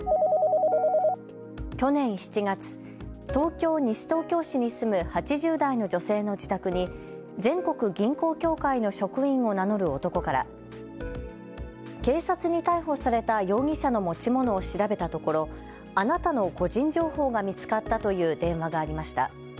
去年７月、東京・西東京市に住む８０代の女性の自宅に全国銀行協会の職員を名乗る男から警察に逮捕された容疑者の持ち物を調べたところあなたの個人情報が見つかったという電話がありました。